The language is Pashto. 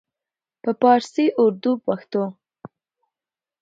په پارسي، اردو او پښتو